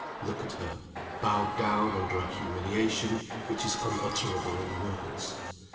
Look at her, bowed down under a humiliation which is unutterable in words.